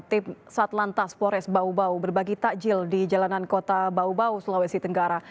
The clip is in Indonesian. tim satlantas pores bau bau berbagi takjil di jalanan kota bau bau sulawesi tenggara